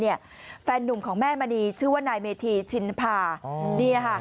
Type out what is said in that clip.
แฟนนุ่มของแม่มณีชื่อว่านายเมธีชินภาเนี่ยค่ะ